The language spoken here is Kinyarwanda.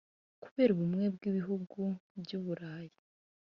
Kubera ubumwe bw’ibihugu by’i Burayi